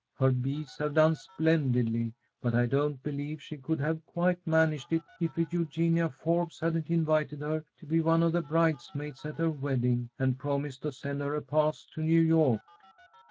Her bees have done splendidly, but I don't believe she could have quite managed it if Eugenia Forbes hadn't invited her to be one of the bridesmaids at her wedding, and promised to send her a pass to New York."